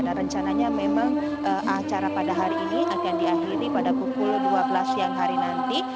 dan rencananya memang acara pada hari ini akan diakhiri pada pukul dua belas siang hari nanti